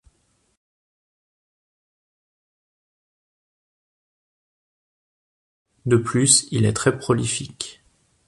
De plus, il est très prolifique.